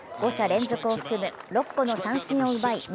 ５者連続を含む６個の三振を奪い